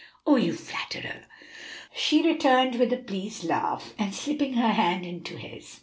"Oh, you flatterer!" she returned with a pleased laugh, and slipping her hand into his.